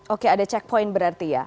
oke ada checkpoint berarti ya